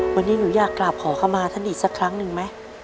วันนี้หนูอยากกราบขอเข้ามาท่านอีกสักครั้งหนึ่งไหม